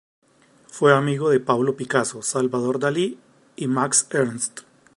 Fue amigo de Pablo Picasso, Salvador Dalí y Max Ernst.